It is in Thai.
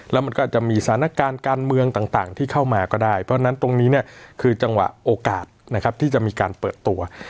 แล้วมันก็อาจจะมีสถานการณ์การเมืองต่างที่เข้ามาก็ได้เพราะฉะนั้นตรงนี้เนี่ยคือจังหวะโอกาสนะครับที่จะมีการเปิดตัว